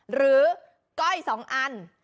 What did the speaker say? หรือก้อย๒อัน